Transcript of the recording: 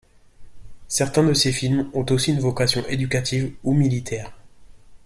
Certains de ces films ont aussi une vocation éducative ou militaire.